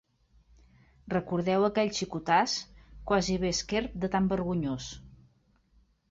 Recordeu aquell xicotàs?, quasi bé esquerp de tant vergonyós